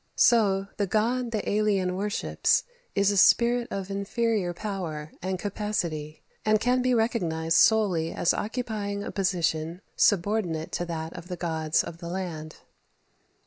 so the god the alien worships is a spirit of inferior power and capacity, and can be recognized solely as occupying a position subordinate to that of the gods of the land.